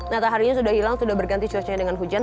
mataharinya sudah hilang sudah berganti cuacanya dengan hujan